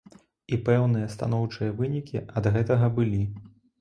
І пэўныя станоўчыя вынікі ад гэтага былі.